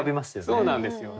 そうなんですよ。